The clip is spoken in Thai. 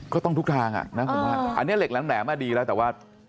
ทุกทางอ่ะนะผมว่าอันนี้เหล็กแหลมดีแล้วแต่ว่า